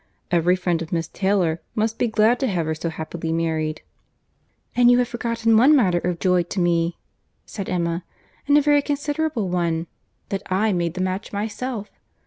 Every friend of Miss Taylor must be glad to have her so happily married." "And you have forgotten one matter of joy to me," said Emma, "and a very considerable one—that I made the match myself.